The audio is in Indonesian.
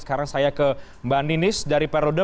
sekarang saya ke mbak nenis dari pak rudem